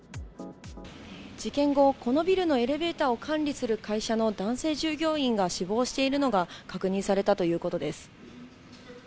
事件後、このビルのエレベーターを管理する会社の男性従業員が死亡しているのが確認されたということです。